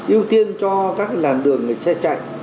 ưu tiên cho các làn đường xe chạy